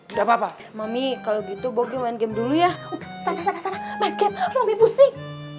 udah papa mami kalau gitu bogi main game dulu ya sana sana sana main game mami pusing